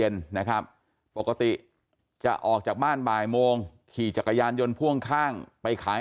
นะครับปกติจะออกจากบ้านบ่ายโมงขี่จักรยานยนต์พ่วงข้างไปขาย